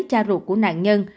cha ruột của nạn nhân